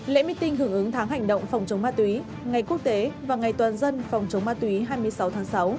lễ meeting hưởng ứng tháng hành động phòng chống ma túy ngày quốc tế và ngày toàn dân phòng chống ma túy hai mươi sáu tháng sáu